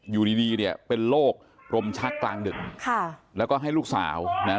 อยู่ดีดีเนี่ยเป็นโรคลมชักกลางดึกค่ะแล้วก็ให้ลูกสาวนะฮะ